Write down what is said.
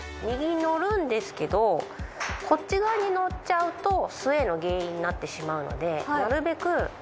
右に乗るんですけどこっち側に乗っちゃうとスウェーの原因になってしまうのでなるべく